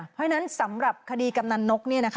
เพราะฉะนั้นสำหรับคดีกำนันนก